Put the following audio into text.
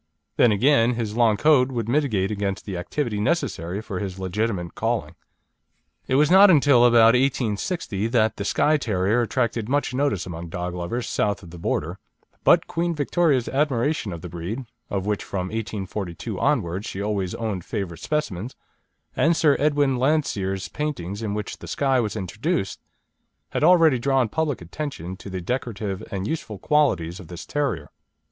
Then, again, his long coat would militate against the activity necessary for his legitimate calling. It was not until about 1860 that the Skye Terrier attracted much notice among dog lovers south of the Border, but Queen Victoria's admiration of the breed, of which from 1842 onwards she always owned favourite specimens, and Sir Edwin Landseer's paintings in which the Skye was introduced, had already drawn public attention to the decorative and useful qualities of this terrier.